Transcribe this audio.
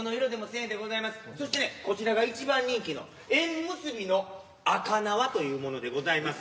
そしてねこちらが一番人気の縁結びの赤縄というものでございます。